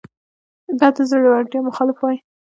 به د زړورتیا مخالف وای